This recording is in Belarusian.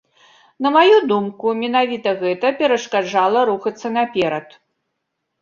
На маю думку, менавіта гэта перашкаджала рухацца наперад.